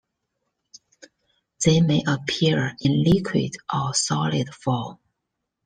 They may appear in liquid or solid form.